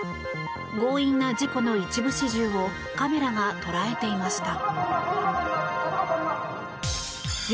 強引な事故の一部始終をカメラが捉えていました。